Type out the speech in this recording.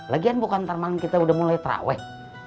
lagian bukan ntar malam kita udah mulai terawih